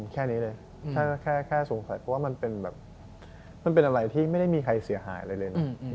แค่นี้เลยแค่สงสัยเพราะว่ามันเป็นแบบมันเป็นอะไรที่ไม่ได้มีใครเสียหายอะไรเลยนะ